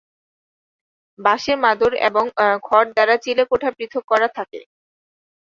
বাঁশের মাদুর এবং খড় দ্বারা চিলে-কোঠা পৃথক করা থাকে।